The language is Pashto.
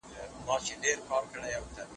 هڅه ناکامي ماتوي.